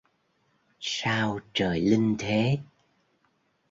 Sao trời linh thế!